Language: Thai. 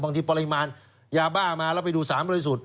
บางทีปริมาณยาบ้ามาแล้วไปดูสารบริสุทธิ์